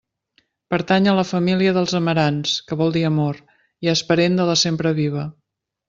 Pertany a la família dels amarants, que vol dir amor, i és parent de la sempreviva.